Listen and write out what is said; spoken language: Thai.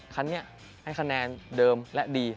คันนี้ให้คะแนนเดิมและดี